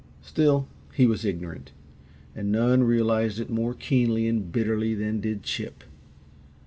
Still, he was ignorant and none realized it more keenly and bitterly than did Chip.